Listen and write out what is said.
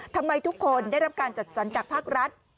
ทำไมทุกคนได้รับการจัดสรรจากภาครัฐ